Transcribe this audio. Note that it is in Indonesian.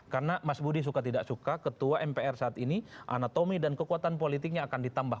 karena mas budi suka tidak suka ketua mpr saat ini anatomi dan kekuatan politiknya akan ditambah